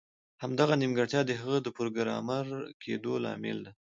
همدغه نیمګړتیا د هغه د پروګرامر کیدو لامل ده